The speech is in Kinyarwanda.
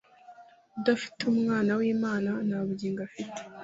udafite Umwana w’Imana nta bugingo afite.